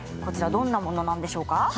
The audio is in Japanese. どんなものなんでしょうか。